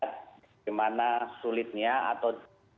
bagaimana sulitnya atau